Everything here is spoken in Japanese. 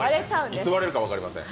いつ割れるか分かりません。